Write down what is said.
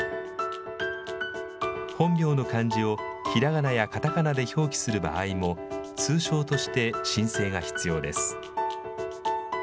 本名の漢字をひらがなやかたかなで表記する場合も、通称として申請が必要です。